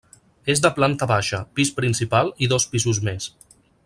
És de planta baixa, pis principal i dos pisos més.